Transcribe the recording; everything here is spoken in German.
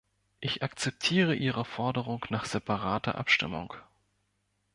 Ich akzeptiere Ihre Forderung nach separater Abstimmung.